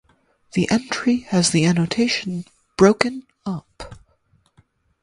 The entry has the annotation "Broken Up".